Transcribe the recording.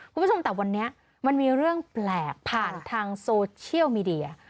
คุณผู้ชมแต่วันนี้มันมีเรื่องแปลกผ่านทางโซเชียลมีเดีย